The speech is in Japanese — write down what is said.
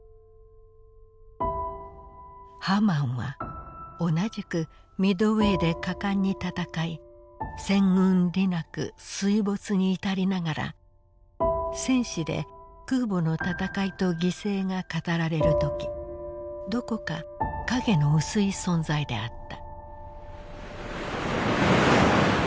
「『ハマン』は同じくミッドウェーで果敢にたたかい戦運利なく水没に至りながら戦史で空母のたたかいと犠牲が語られるときどこか影の薄い存在であった」。